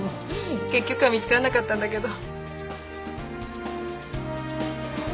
結局は見つからなかったんだけど。